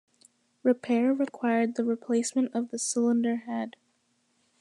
Repair required the replacement of the cylinder head.